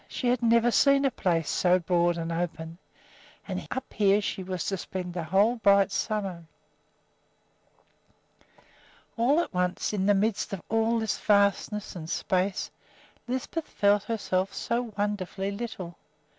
She had never seen a place so broad and open. And up here she was to spend the whole bright summer. All at once, in the midst of this vastness and space, Lisbeth felt herself so wonderfully little!